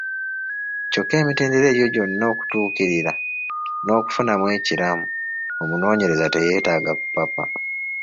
Kyokka emitendera egyo gyonna okutuukirira n’okufunamu ekiramu, omunoonyereza teyeetaaga kupapa.